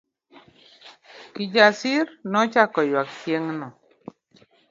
Kijasir nochako ywak chieng'no.